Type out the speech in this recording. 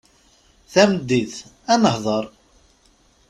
Tameddit, ad nehder.